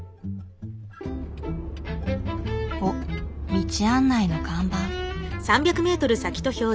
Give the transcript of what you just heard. おっ道案内の看板。